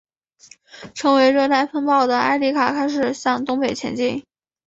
成为热带风暴的埃里卡开始向东北前进。